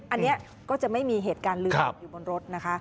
อันนี้ก็จะไม่มีเหตุการณ์ลืมอยู่บนรถนะคะ